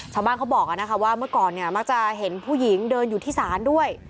ชาวบ้านเขาบอกว่าเมื่อก่อนเนี่ยมักจะเห็นผู้หญิงเดินอยู่ที่ศาลด้วย